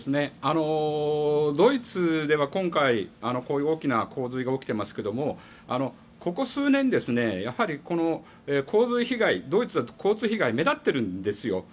ドイツでは今回こういう大きな洪水が起きていますがここ数年、洪水被害ドイツは洪水被害が目立ってるんですよ。